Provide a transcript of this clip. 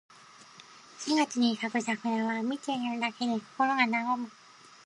四月に咲く桜は、見ているだけで心が和む。